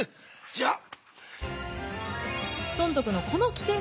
じゃあ。